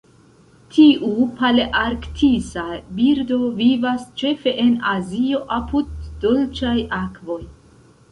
Tiu palearktisa birdo vivas ĉefe en Azio apud dolĉaj akvoj.